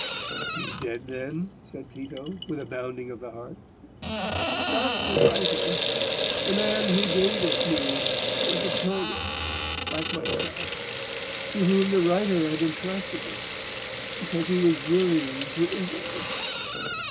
"He is dead, then?" said Tito, with a bounding of the heart. "Not the writer. The man who gave it me was a pilgrim, like myself, to whom the writer had intrusted it, because he was journeying to Italy."